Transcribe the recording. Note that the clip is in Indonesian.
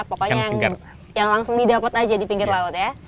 pokoknya yang langsung didapat aja di pinggir laut ya